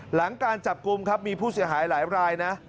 หลังการจับกลุ่มครับมีผู้เสียหายหลายรายนะ